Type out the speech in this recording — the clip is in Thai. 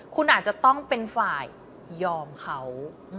คุณอาจจะต้องเป็นฝ่ายยอมเขา